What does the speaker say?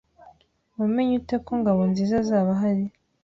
Wamenye ute ko Ngabonziza azaba ahari?